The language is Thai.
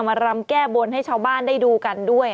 รำแก้บนให้ชาวบ้านได้ดูกันด้วย